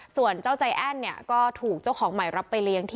ส่วนเจ้าใจแอ้นส์ที่ถูกเจ้าของใหม่รับไปเลี้ยง